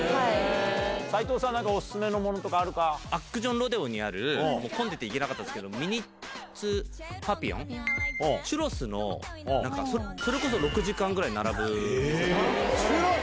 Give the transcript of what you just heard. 斎藤さん、なんかお勧めのもアックジョンロデオにある、混んでて行けなかったですけど、ミニッツパピオン、チュロスのなんか、それこそ６時間ぐらい並ぶ。